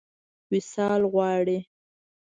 وصال غواړي.